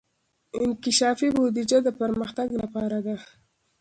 انکشافي بودجه د پرمختګ لپاره ده